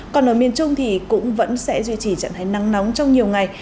còn ở miền trung thì cũng vẫn sẽ duy trì trạng thái nắng nóng trong nhiều ngày